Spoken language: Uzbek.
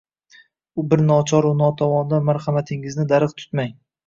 Bir nochoru notavondan marhamatingizni darig` tutmang